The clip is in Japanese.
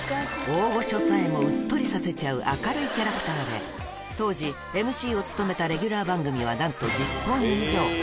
大御所さえもうっとりさせちゃう明るいキャラクターで、当時、ＭＣを務めたレギュラー番組はなんと１０本以上。